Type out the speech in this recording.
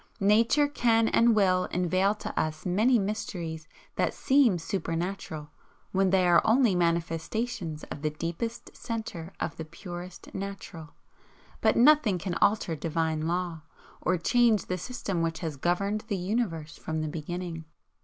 Nature can and will unveil to us many mysteries that seem SUPER natural, when they are only manifestations of the deepest centre of the purest natural but nothing can alter Divine Law, or change the system which has governed the Universe from the beginning.